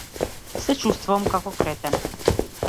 Се чувствувам како кретен.